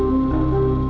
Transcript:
tidak ada yang tahu